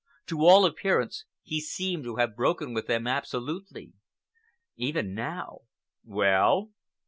To all appearance, he seemed to have broken with them absolutely. Even now— "Well?"